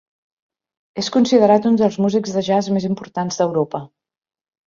És considerat un dels músics de jazz més importants d'Europa.